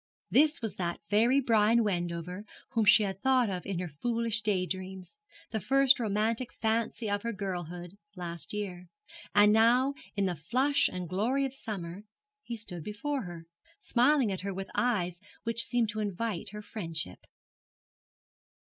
This was that very Brian Wendover whom she had thought of in her foolish day dreams, the first romantic fancy of her girlhood, last year; and now, in the flush and glory of summer, he stood before her, smiling at her with eyes which seemed to invite her friendship.